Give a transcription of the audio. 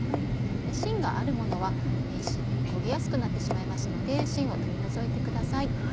芯があるものは焦げやすくなってしまいますので芯を取り除いてください。